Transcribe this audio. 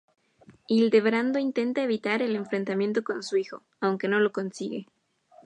Hildebrando intenta evitar el enfrentamiento con su hijo, aunque no lo consigue.